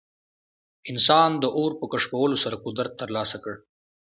انسان د اور په کشفولو سره قدرت ترلاسه کړ.